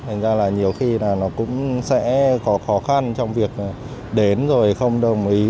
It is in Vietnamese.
thành ra là nhiều khi là nó cũng sẽ có khó khăn trong việc đến rồi không đồng ý